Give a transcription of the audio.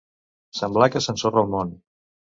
Semblar que s'ensorra el món.